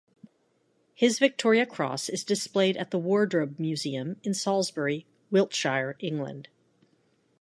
His Victoria Cross is displayed at The Wardrobe Museum in Salisbury, Wiltshire, England.